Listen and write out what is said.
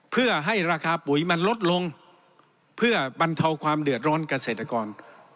เพื่อให้ราคาปุ๋ยมันลดลงเพื่อบรรเทาความเดือดร้อนเกษตรกร